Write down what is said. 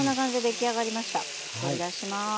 取り出します。